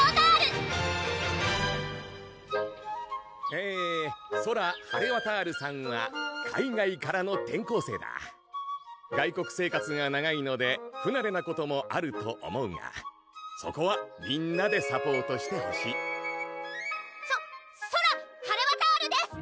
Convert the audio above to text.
えぇソラ・ハレワタールさんは海外からの転校生だ外国生活が長いのでふなれなこともあると思うがそこはみんなでサポートしてほしいソソラ・ハレワタールです！